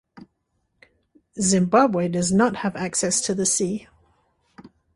Zimbabwe does not have access to the sea.